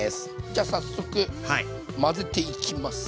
じゃあ早速混ぜていきます。